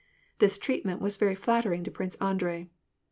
This treatment was very flattering to Prince Andrei.